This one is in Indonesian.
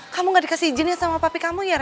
kamu kan perempuan